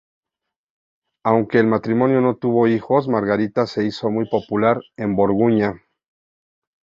Aunque el matrimonio no tuvo hijos, Margarita se hizo muy popular en Borgoña.